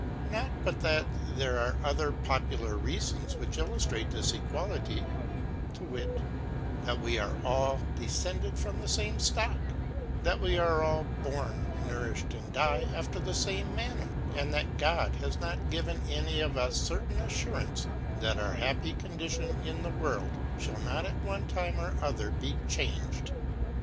Not but that there are other popular Reafons which illuftrate this Equality ; to wit, that we are all defcend cd of the fame Stock , that we are all born, nourilhed, and die after the fame Manner ŌĆó, and that God has not given any of us a certain Af furance that our happy Condition in the World ihall not at one time or other be changed.